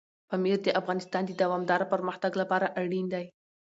پامیر د افغانستان د دوامداره پرمختګ لپاره اړین دی.